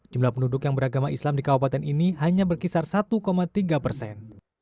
jumlah penduduk yang beragama islam di kabupaten ini hanya berkisar satu tiga persen